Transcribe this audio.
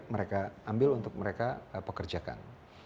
mereka ambil untuk mereka pekerjakan